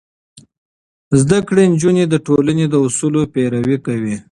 زده کړې نجونې د ټولنې د اصولو پيروي کوي.